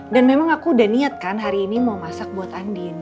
dan memang aku udah niat kan hari ini mau masak buat andin